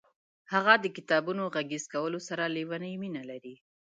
هغه د کتابونو غږیز کولو سره لیونۍ مینه لري.